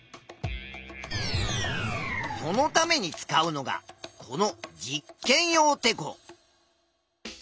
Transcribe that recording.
そのために使うのがこの「実験用てこ」。